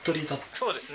そうですね。